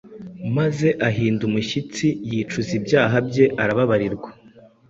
maze ahinda umushitsi yicuza ibyaha bye arababarirwa.